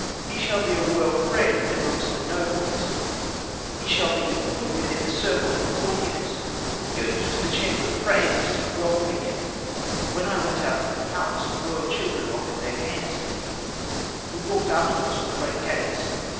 He shall be a Royal Friend amongst the nobles; he shall be put within the circle of the courtiers. Go ye to the chamber of praise to seek wealth for him." When I went out from the palace, the royal children offered their hands to me; we walked afterwards to the Great Gates.